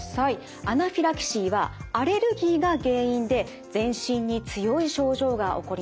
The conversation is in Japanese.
アナフィラキシーはアレルギーが原因で全身に強い症状が起こります。